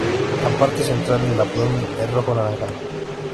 La parte central del abdomen es rojo-anaranjada.